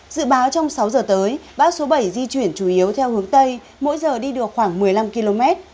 dự báo trong sáu giờ tới bão số bảy di chuyển chủ yếu theo hướng tây mỗi giờ đi được khoảng một mươi năm km